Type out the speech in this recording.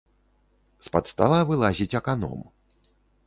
З-пад стала вылазіць аканом.